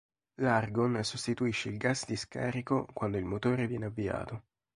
L'argon sostituisce il gas di scarico quando il motore viene avviato.